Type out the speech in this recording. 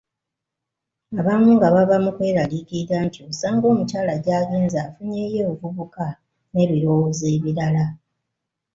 Abamu nga baba mu kweraliikirira nti osanga omukyala gy’agenze afunyeeyo evvubuka n’ebirowoozo ebirala.